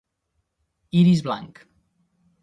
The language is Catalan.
Iris blanc.